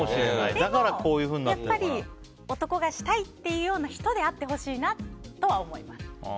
でも、やっぱり男がしたいっていう人であってほしいなと思います。